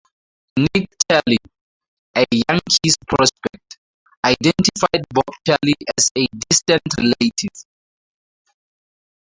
Nik Turley, a Yankees prospect, identified Bob Turley as a "distant relative".